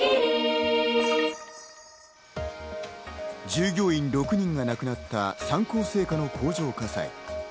従業員６人が亡くなった三幸製菓の工場火災。